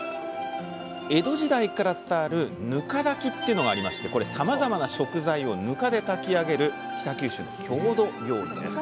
江戸時代から伝わる「ぬか炊き」っていうのがありましてこれさまざまな食材をぬかで炊き上げる北九州の郷土料理です。